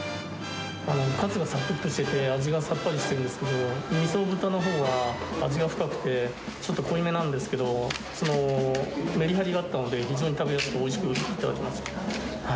カツがさくっとしてて、味がさっぱりしてるんですけど、みそ豚のほうは味が深くて、ちょっと濃いめなんですけど、そのメリハリがあったので、非常に食べやすく、おいしく頂きました。